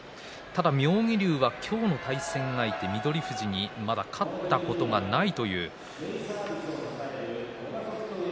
妙義龍は今日の対戦相手翠富士にまだ勝ったことがありません。